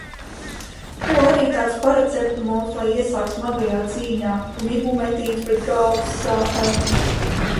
Ko arī tāds paraceptomols lai iesāk smagajā cīņā? Un ibumetīns pret galvas sāpēm?